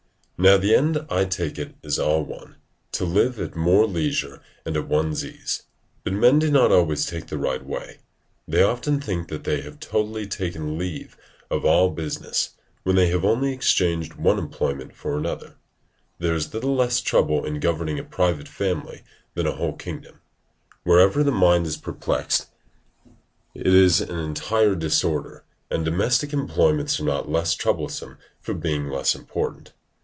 Now the end, I take it, is all one, to live at more leisure and at one's ease: but men do not always take the right way. They often think they have totally taken leave of all business, when they have only exchanged one employment for another: there is little less trouble in governing a private family than a whole kingdom. Wherever the mind is perplexed, it is in an entire disorder, and domestic employments are not less troublesome for being less important.